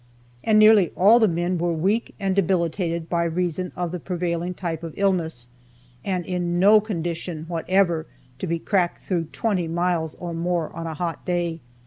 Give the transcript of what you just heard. And nearly all the men were weak and debilitated by reason of the prevailing type of illness, and in no condition whatever to be cracked through twenty miles or more on a hot day.